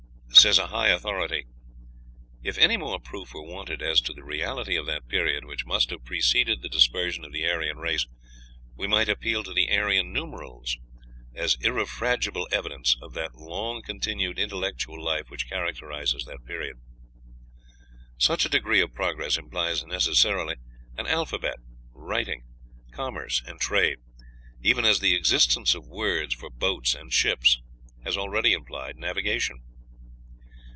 Says a high authority, "If any more proof were wanted as to the reality of that period which must have preceded the dispersion of the Aryan race, we might appeal to the Aryan numerals as irrefragable evidence of that long continued intellectual life which characterizes that period." Such a degree of progress implies necessarily an alphabet, writing, commerce, and trade, even as the existence of words for boats and ships has already implied navigation.